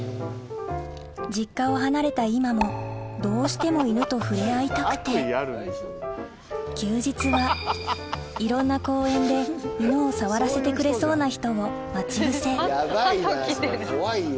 実家を離れた今もどうしても犬と触れ合いたくて休日はいろんな公園で犬を触らせてくれそうな人を待ち伏せヤバいなそれ怖いよ。